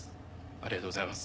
ありがとうございます。